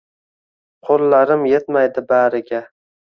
Qo‘llarim yetmaydi bariga.